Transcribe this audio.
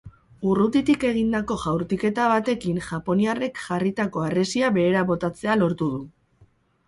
Urrutitik egindako jaurtiketa batekin japoniarrek jarritako harresia behera botatzea lortu du.